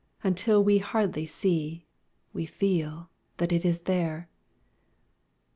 Until we hardly see, we feel, that it is there.